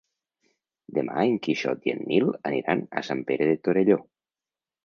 Demà en Quixot i en Nil aniran a Sant Pere de Torelló.